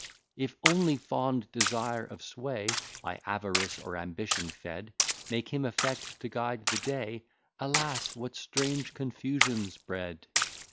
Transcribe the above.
If only fond desire of sway, By avarice or ambition fed, Make him affect to guide the day, Alas! what strange confusion's bred!